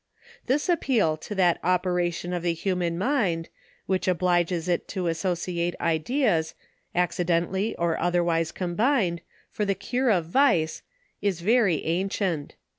This appeal to that operation of the human mind, which obliges it to associate ideas, accidentally or otherwise com bined, for the cure of vice, is very ancient.